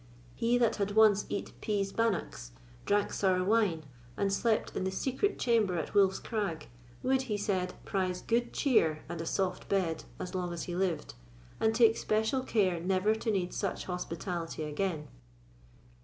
He that had once eat pease bannocks, drank sour wine, and slept in the secret chamber at Wolf's Crag, would, he said, prize good cheer and a soft bed as long as he lived, and take special care never to need such hospitality again.